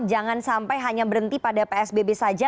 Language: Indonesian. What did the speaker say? jangan sampai hanya berhenti pada psbb saja